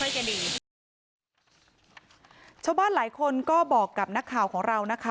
ไม่ค่อยจะดีชาวบ้านหลายคนก็บอกกับนักข่าวของเรานะคะ